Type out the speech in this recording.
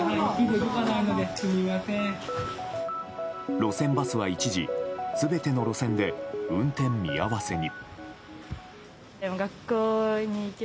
路線バスは一時全ての路線で運転見合わせに。